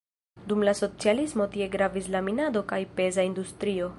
Dum la socialismo tie gravis la minado kaj peza industrio.